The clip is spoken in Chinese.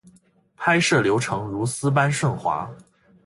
拍摄流程如丝般顺滑